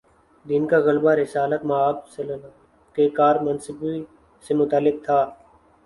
دین کا غلبہ رسالت مآبﷺ کے کار منصبی سے متعلق تھا۔